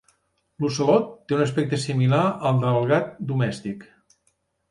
L'ocelot té un aspecte similar al del gat domèstic.